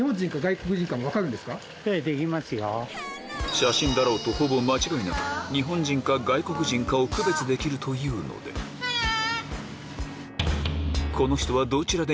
写真だろうとほぼ間違いなく日本人か外国人かを区別できるというのでハロー。